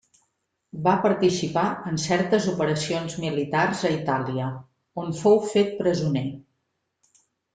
Va participar en certes operacions militars a Itàlia, on fou fet presoner.